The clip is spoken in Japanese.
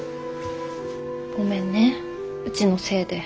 ごめんねうちのせいで。